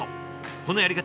このやり方